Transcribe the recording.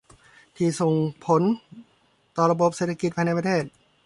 ที่ส่งผลต่อระบบเศรษฐกิจภายในประเทศ